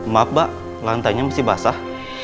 maaf mbak lantainya mesti basah